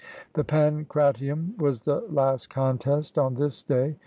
The pancratium was the last contest on this day.